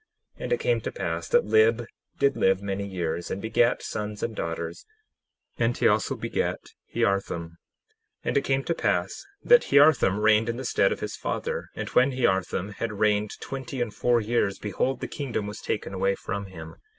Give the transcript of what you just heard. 10:29 And it came to pass that Lib did live many years, and begat sons and daughters; and he also begat Hearthom. 10:30 And it came to pass that Hearthom reigned in the stead of his father. And when Hearthom had reigned twenty and four years, behold, the kingdom was taken away from him.